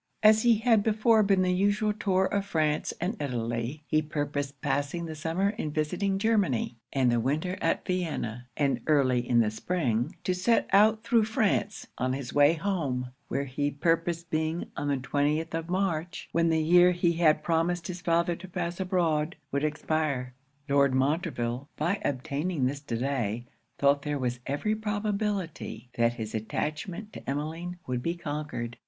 As he had before been the usual tour of France and Italy, he purposed passing the summer in visiting Germany, and the winter at Vienna; and early in the spring to set out thro' France on his way home, where he purposed being on the 20th of March, when the year which he had promised his father to pass abroad would expire. Lord Montreville, by obtaining this delay thought there was every probability that his attachment to Emmeline would be conquered.